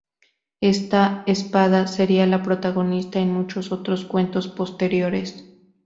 Esta espada sería la protagonista en muchos otros cuentos posteriores.